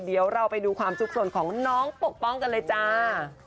เดี๋ยวเราไปดูความสุขสนของน้องปกป้องกันเลยจ้า